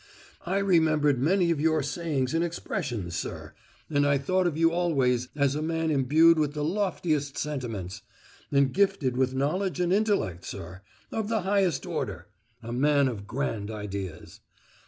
"I remembered many of your sayings and expressions, sir, and I thought of you always as a man imbued with the loftiest sentiments, and gifted with knowledge and intellect, sir—of the highest order—a man of grand ideas.